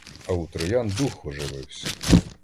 А у троян дух ожививсь.